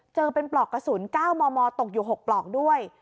เจอเป็นปลอกกระสุน๙มมตกอยู่๖ปลอกด้วย